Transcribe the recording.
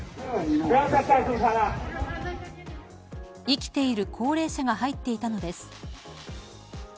生きている高齢者が入っていたのです。